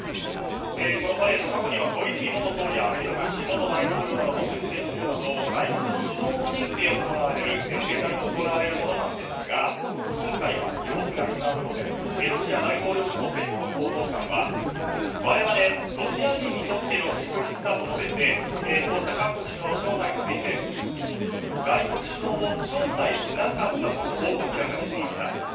このパレードは過去には小泉元総理やアメリカのブッシュ元大統領なども出席するなど外国の首脳を招いて盛大に行われるものですが今回は様子が違うようでロシア大統領府のペスコフ報道官は我々、ロシア人にとっての祝日だと述べてそうした各国首脳の招待について外国首脳を招待しなかったことを明らかにしました。